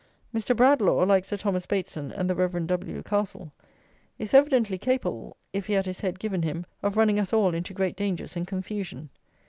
Mr. Bradlaugh, like Sir Thomas Bateson and the Rev. W. Cattle, is evidently capable, if he had his head given him, of running us all into great dangers and confusion.